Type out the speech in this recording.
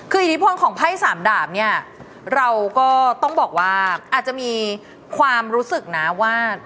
คืออิทธิพลของไพ่สามดาบเนี่ยเราก็ต้องบอกว่าอาจจะมีความรู้สึกนะว่า